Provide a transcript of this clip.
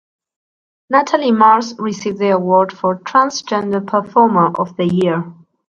Natalie Mars received the award for Transgender Performer of the Year.